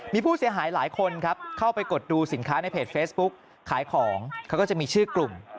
มีผู้เสียหายหลายคนครับเข้าไปกดดูสินค้าในเพจเฟซบุ๊กขายของเขาก็จะมีชื่อกลุ่ม